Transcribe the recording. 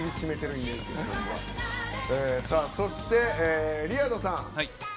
そして、リアドさん。